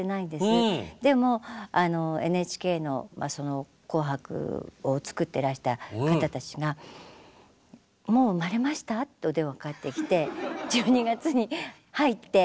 でもＮＨＫの「紅白」を作ってらした方たちが「もう産まれました？」ってお電話かかってきて１２月に入って。